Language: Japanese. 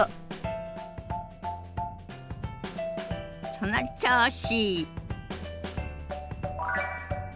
その調子！